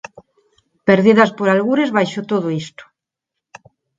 Perdidas por algures baixo todo isto.